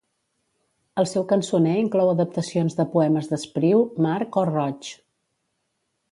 El seu cançoner inclou adaptacions de poemes d'Espriu, March o Roig.